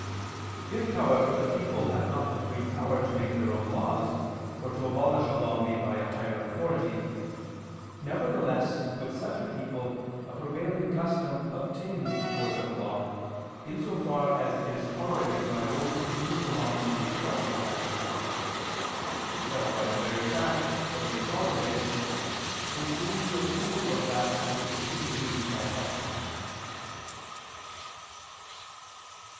If however the people have not the free power to make their own laws, or to abolish a law made by a higher authority; nevertheless with such a people a prevailing custom obtains force of law, in so far as it is tolerated by those to whom it belongs to make laws for that people: because by the very fact that they tolerate it they seem to approve of that which is introduced by custom.